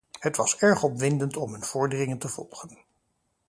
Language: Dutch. Het was erg opwindend om hun vorderingen te volgen.